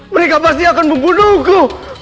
mereka pasti akan membunuhku